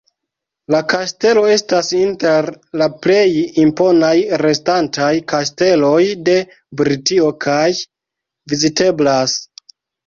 La kastelo estas inter la plej imponaj restantaj kasteloj de Britio, kaj viziteblas.